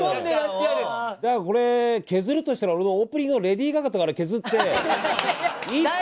だからこれ削るとしたら俺のオープニングのレディー・ガガとか削って１分。